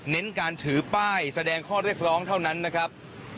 เน้นการถือป้ายแสดงข้อเรียกร้องเท่านั้นนะครับ